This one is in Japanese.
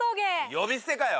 呼び捨てかよ！